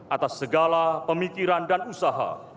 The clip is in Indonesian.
atas segala pemikiran dan usaha